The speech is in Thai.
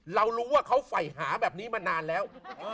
เรารู้ว่าเขาใส่หาแบบนี้มานานแล้ว